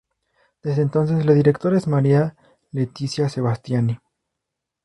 Desde entonces la directora es Maria Letizia Sebastiani.